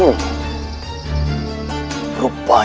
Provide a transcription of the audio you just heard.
sulit duital luar biasa